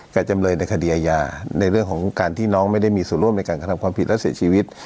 จำเลยในคดีอาญาในเรื่องของการที่น้องไม่ได้มีส่วนร่วมในการกระทำความผิดและเสียชีวิต